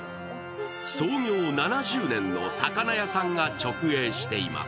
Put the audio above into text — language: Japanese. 創業７０年の魚屋さんが直営しています。